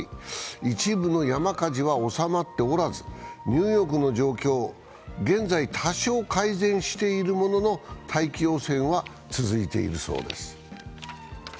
一部の山火事は収まっておらず、ニューヨークの状況、現在、多少改善しているものの大気汚染は続いているそうです。